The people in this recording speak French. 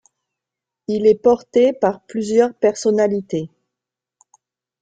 Il est porté par plusieurs personnalités.